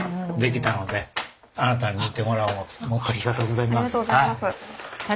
ありがとうございます。